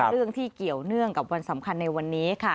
เรื่องที่เกี่ยวเนื่องกับวันสำคัญในวันนี้ค่ะ